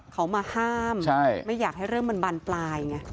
เขามาห้ามไม่อยากให้เริ่มมันบรรปลาย